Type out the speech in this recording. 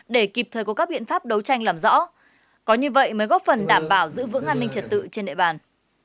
để kịp thời có các biện pháp đấu tranh làm rõ có như vậy mới góp phần đảm bảo giữ vững an ninh trật tự trên địa bàn